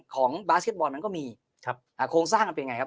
ของบาสเก็ตบอลมันก็มีครับอ่าโครงสร้างมันเป็นยังไงครับ